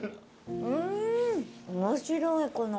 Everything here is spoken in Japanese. うん面白いこの。